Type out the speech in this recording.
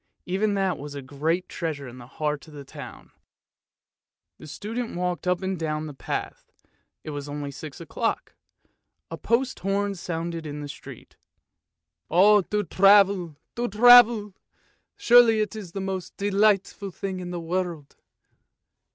Even that was a great treasure in the heart of the town. 330 ANDERSEN'S FAIRY TALES The student walked up and down the path, it was only six o'clock; a post horn sounded in the street. "Oh, to travel, to travel! surely it is the most delightful thing in the world.